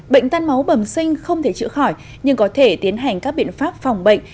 bệnh tan máu bẩm sinh không thể chữa khỏi nhưng có thể tiến hành các biện pháp phòng bệnh